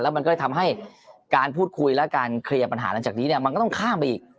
มันก็เลยทำให้การพูดคุยและการเคลียร์ปัญหาหลังจากนี้เนี่ยมันก็ต้องข้ามไปอีก